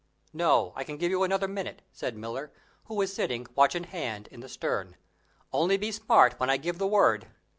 "No; I can give you another minute," said Miller, who was sitting, watch in hand, in the stern; "only be smart when I give the word."